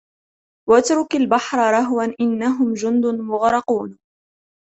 واترك البحر رهوا إنهم جند مغرقون